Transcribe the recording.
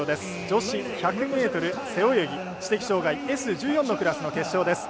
女子１００ｍ背泳ぎ知的障がいＳ１４のクラスの決勝です。